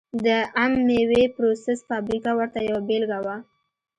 د عم مېوې پروسس فابریکه ورته یوه بېلګه وه.